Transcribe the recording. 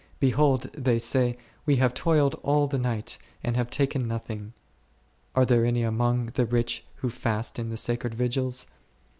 Behold, they say, we have toiled all the night and have taken nothing. Are there any among the rich who fast in the sacred vigils